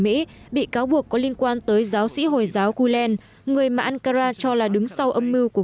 mỹ bị cáo buộc có liên quan tới giáo sĩ hồi giáo gueland người mà ankara cho là đứng sau âm mưu của